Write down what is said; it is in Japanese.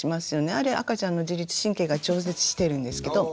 あれ赤ちゃんの自律神経が調節してるんですけど。